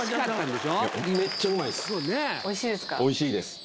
いやおいしいですか？